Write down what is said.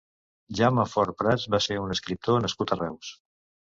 Jaume Fort Prats va ser un escriptor nascut a Reus.